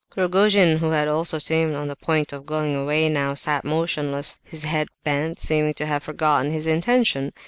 Rogojin, who had also seemed on the point of going away now sat motionless, his head bent, seeming to have forgotten his intention.